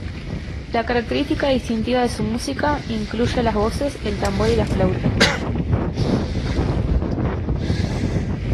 La característica distintiva de su música incluye las voces, el tambor y la flauta.